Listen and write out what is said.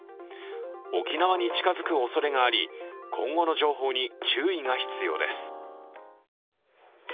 沖縄に近づくおそれがあり今後の情報に注意が必要です。